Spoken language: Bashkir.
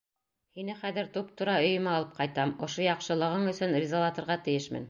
Һине хәҙер туп-тура өйөмә алып ҡайтам, ошо яҡшылығың өсөн ризалатырға тейешмен.